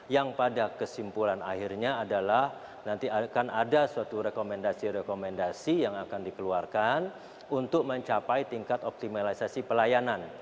yang pada kesimpulan akhirnya adalah nanti akan ada suatu rekomendasi rekomendasi yang akan dikeluarkan untuk mencapai tingkat optimalisasi pelayanan